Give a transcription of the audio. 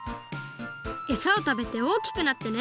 エサをたべておおきくなってね。